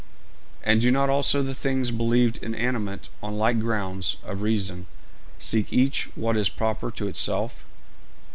And do not also the things believed inanimate on like grounds of reason seek each what is proper to itself?